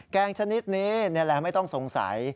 งชนิดนี้นี่แหละไม่ต้องสงสัย